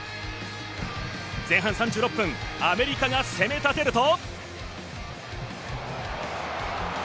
前半３６分、アメリカが攻め立てると。